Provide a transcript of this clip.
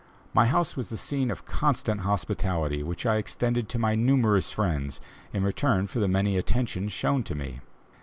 My house was the scene of constant hospitality which I extended to my numerous friends in return for the many attentions shown to me.